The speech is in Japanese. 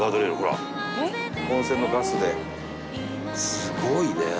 すごいね。